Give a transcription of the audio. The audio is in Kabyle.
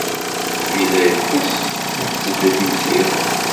Yella yeṭṭes mi tetteddu temsirt.